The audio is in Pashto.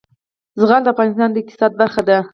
زغال د افغانستان د اقتصاد برخه ده.